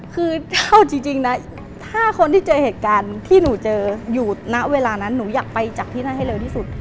คือถ้าเอาจริงนะถ้าคนที่เจอเหตุการณ์ที่หนูเจออยู่ณเวลานั้นหนูอยากไปจากที่นั่นให้เร็วที่สุด